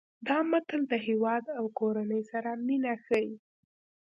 دا متل د هیواد او کورنۍ سره مینه ښيي